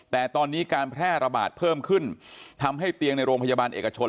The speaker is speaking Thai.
แต่ตอนนี้การแพร่ระบาดเพิ่มขึ้นทำให้เตียงในโรงพยาบาลเอกชน